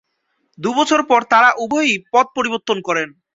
দুই বছর পর তাঁরা উভয়েই পদ পরিবর্তন করেন।